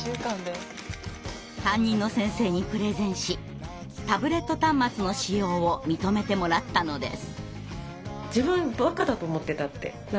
担任の先生にプレゼンしタブレット端末の使用を認めてもらったのです。